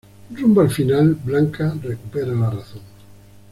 Rumbo al final, Blanca recupera la razón.